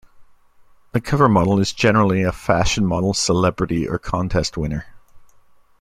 The cover model is generally a fashion model, celebrity, or contest winner.